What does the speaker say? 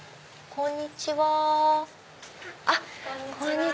こんにちは。